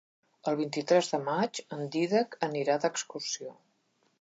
El vint-i-tres de maig en Dídac anirà d'excursió.